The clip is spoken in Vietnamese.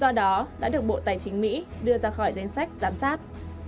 do đó đã được bộ tài chính mỹ đưa ra khỏi danh sách giám sát